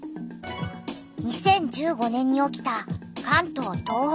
２０１５年に起きた関東・東北豪雨。